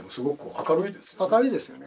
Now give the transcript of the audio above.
明るいですよね